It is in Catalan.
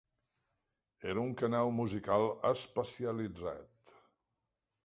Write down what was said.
Era un canal musical especialitzat.